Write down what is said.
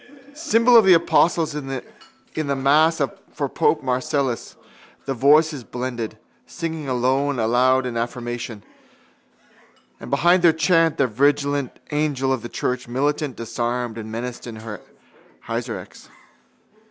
Symbol of the apostles in the mass for pope Marcellus, the voices blended, singing alone loud in affirmation: and behind their chant the vigilant angel of the church militant disarmed and menaced her heresiarchs.